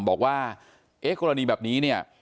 บอกว่าเอ๊ะกรณีแบบนี้เนี่ย